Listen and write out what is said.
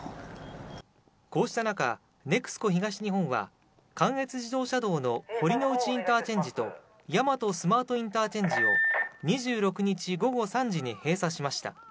こうした中、ＮＥＸＣＯ東日本は関越自動車道の堀之内ＩＣと大和スマートＩＣを２６日午後３時に閉鎖しました。